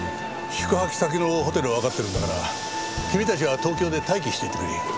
宿泊先のホテルはわかってるんだから君たちは東京で待機していてくれ。